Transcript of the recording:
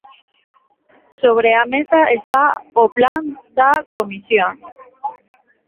Sobre a mesa está o plan da Comisión.